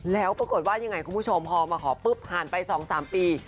แล้วปรากฏว่ายังไงคุณผู้ชมพอมาขอปุ๊บผ่านไป๒๓ปี